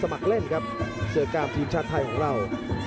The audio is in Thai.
สมัครเล่นครับเสือกรามทีมชาติไทยของเรา